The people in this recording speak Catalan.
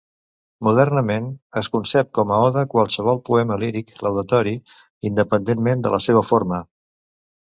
Modernament, es concep com a oda qualsevol poema líric laudatori, independentment de la seva forma.